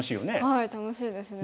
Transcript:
はい楽しいですね。